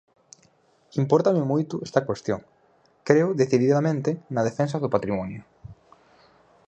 Impórtame moito esta cuestión, creo decididamente na defensa do patrimonio.